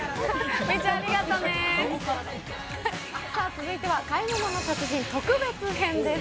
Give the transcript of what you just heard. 続いては「買い物の達人・特別編」です。